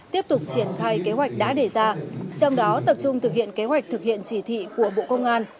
tiếp tục triển khai kế hoạch đã đề ra trong đó tập trung thực hiện kế hoạch thực hiện chỉ thị của bộ công an